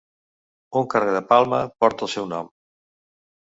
Un carrer de Palma porta el seu nom.